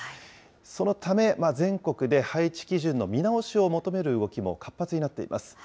そのため、全国で配置基準の見直しを求める動きも活発になっています。